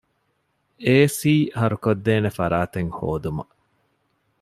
އޭ.ސީ ހަރުކޮށްދޭނެ ފަރާތެއް ހޯދުމަށް